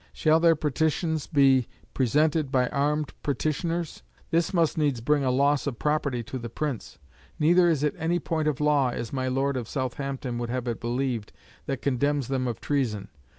Shall their petitions be presented by armed petitioners? This must needs bring loss of property to the prince. Neither is it any point of law, as my Lord of Southampton would have it believed, that condemns them of treason.